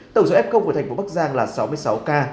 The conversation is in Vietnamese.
tổng số f công của thành phố bắc giang là sáu mươi sáu ca